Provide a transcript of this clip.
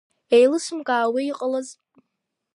Еилысымкаауеи иҟалаз.